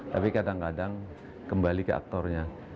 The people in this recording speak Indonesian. tapi kadang kadang kembali ke aktornya